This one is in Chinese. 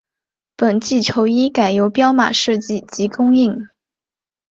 本季球衣改由彪马设计及供应。